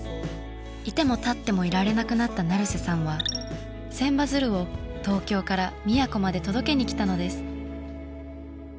居ても立ってもいられなくなった成瀬さんは千羽鶴を東京から宮古まで届けに来たのです。